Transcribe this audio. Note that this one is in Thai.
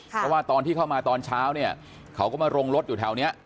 เพราะว่าตอนที่เข้ามาตอนเช้าเนี่ยเขาก็มาลงรถอยู่แถวนี้